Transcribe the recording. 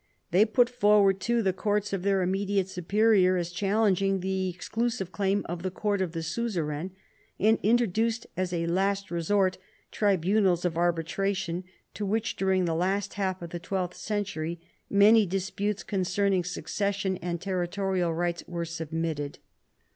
They put forward too the courts of their immediate superior as challenging the exclusive claim of the court of the suzerain, and introduced as a last resort tribunals of arbitration, to which during the last half of the twelfth century many disputes concerning succession and territorial rights were submitted.